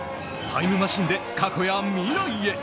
タイムマシンで過去や未来へ。